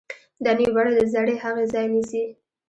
دا نوې بڼه د زړې هغې ځای نیسي.